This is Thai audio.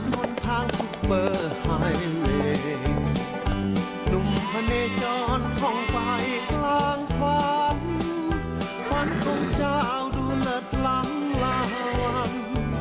พะเนจรของไฟล้างควันควันของเจ้าดูเหลือดล้างละวัน